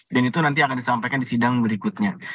dan itu nanti akan disampaikan di sidang berikutnya